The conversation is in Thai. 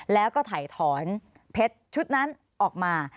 แล้วก็ถ่ายถอนเพชรชุดนั้นออกมา